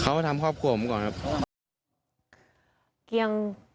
เขาทำครอบครัวผมก่อนครับ